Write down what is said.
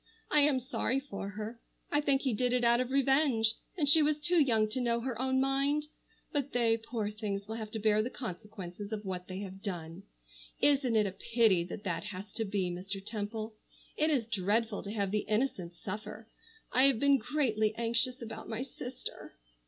I am sorry for her. I think he did it out of revenge, and she was too young to know her own mind. But they, poor things, will have to bear the consequences of what they have done. Isn't it a pity that that has to be, Mr. Temple? It is dreadful to have the innocent suffer. I have been greatly anxious about my sister."